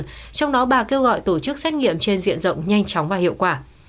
trong đó bà kêu gọi tổ chức xét nghiệm trên diện rộng nhanh chóng và hiệu quả